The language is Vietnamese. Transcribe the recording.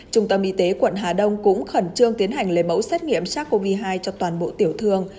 trung tâm y tế quận hà đông cũng khẩn trương tiến hành lấy mẫu xét nghiệm sars cov hai cho toàn bộ tiểu thương